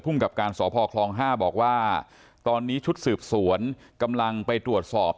กับการสพคลอง๕บอกว่าตอนนี้ชุดสืบสวนกำลังไปตรวจสอบ